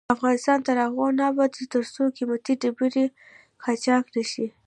افغانستان تر هغو نه ابادیږي، ترڅو قیمتي ډبرې قاچاق نشي.